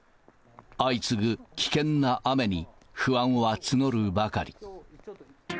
相次ぐ危険な雨に不安は募るばかり。